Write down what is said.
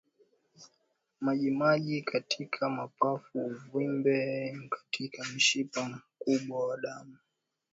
Majimaji katika mapafu uvimbe katika mshipa mkubwa wa damu